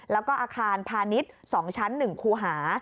แล้วก็อาคารพาณิชย์๒ชั้น๑คูหา